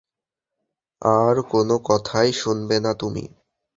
আর কোনো কথাই শুনবে না তুমি?